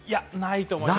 ないと思います。